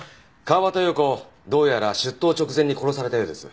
川端葉子どうやら出頭直前に殺されたようです。